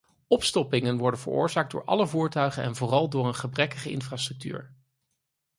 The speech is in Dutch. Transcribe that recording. Opstoppingen worden veroorzaakt door alle voertuigen en vooral door een gebrekkige infrastructuur.